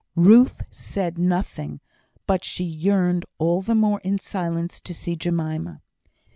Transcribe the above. Ruth said nothing, but she yearned all the more in silence to see Jemima.